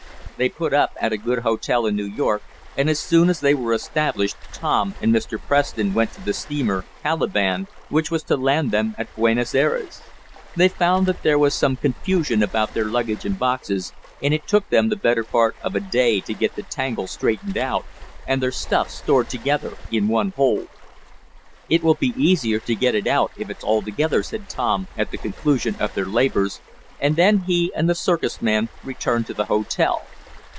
They put up at a good hotel in New York, and as soon as they were established Tom and Mr. Preston went to the steamer Calaban which was to land them at Buenos Ayres. They found that there was some confusion about their luggage and boxes, and it took them the better part of a day to get the tangle straightened out, and their stuff stored together in one hold. "It will be easier to get it out if it's all together," said Tom, at the conclusion of their labors, and then he and the circus man returned to the hotel.